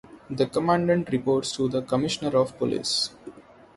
The Commandant reports to the Commissioner of Police.